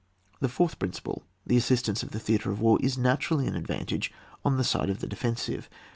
The fourth principle, the Assistance of the Theatre of War^ is naturally an advantage on the side of the defensive.